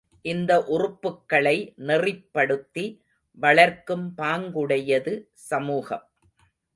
இந்த உறுப்புக்களை நெறிப்படுத்தி வளர்க்கும் பாங்குடையது சமூகம்.